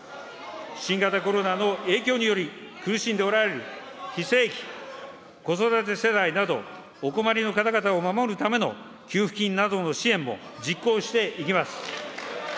新型コロナの影響により苦しんでおられる非正規、子育て世代など、お困りの方々を守るための給付金などの支援も実行していきます。